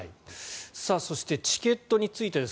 そしてチケットについてです。